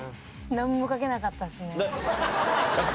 なんも書けなかったっすね。